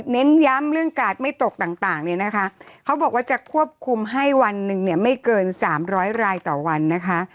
เน้นย้ำเรื่องกาดไม่ตกต่างเนี่ยนะคะเขาบอกว่าจะควบคุมให้วันหนึ่งเนี่ยไม่เกิน๓๐๐รายต่อวันนะคะ